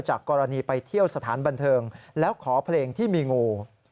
กรณีไปเที่ยวสถานบันเทิงแล้วขอเพลงที่มีงู